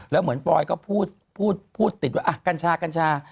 แล้วเหมือนปอยก็พูดพูดติดว่ากัญชากัญชา